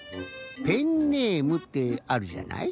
ペンネームってあるじゃない？